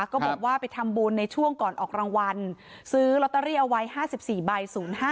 ก็บอกว่าไปทำบุญในช่วงก่อนออกรางวัลซื้อลอตเตอรี่เอาไว้๕๔ใบ๐๕